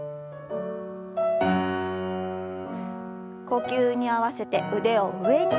呼吸に合わせて腕を上に。